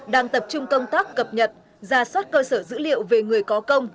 đang tập trung công tác cập nhật ra soát cơ sở dữ liệu về người có công